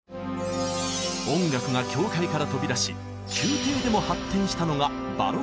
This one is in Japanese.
音楽が教会から飛び出し宮廷でも発展したのがバロックの時代。